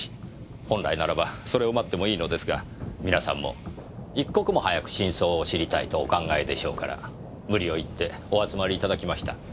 本来ならばそれを待ってもいいのですが皆さんも一刻も早く真相を知りたいとお考えでしょうから無理を言ってお集まり頂きました。